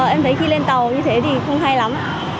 em thấy khi lên tàu như thế thì không hay lắm ạ